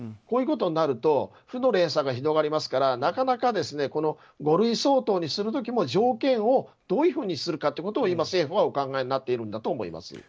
こういうことになると負の連鎖が広がりますからなかなか五類相当にする時も条件をどういうふうにするかを今、政府はお考えになっているんだと思います。